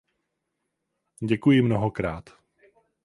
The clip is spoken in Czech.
Děkuji mnohokrát.